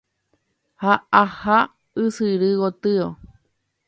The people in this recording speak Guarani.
ha aha ysyry gotyo